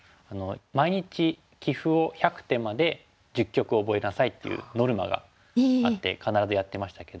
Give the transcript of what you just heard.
毎日棋譜を１００手まで１０局覚えなさいっていうノルマがあって必ずやってましたけど。